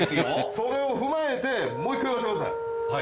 それを踏まえてもう１回言わして下さい。